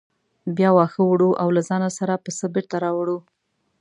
بیا واښه وړو او له ځانه سره پسه بېرته راوړو.